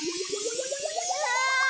うわ！